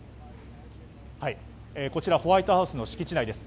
こちらホワイトハウスの敷地内です。